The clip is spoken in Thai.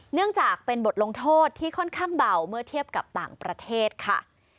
เนื่องจากเป็นบทลงโทษที่ค่อนข้างเบาเมื่อเทียบกับต่างประเทศค่ะ